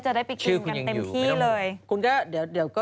จะได้ไปกินกันเต็มที่เลยชื่อคุณยังอยู่